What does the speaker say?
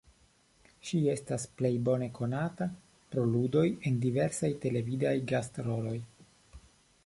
Ŝi estas plej bone konata pro ludoj en diversaj televidaj gast-roloj.